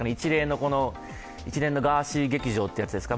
一連のガーシー劇場というやつですか。